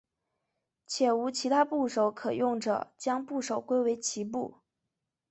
且无其他部首可用者将部首归为齐部。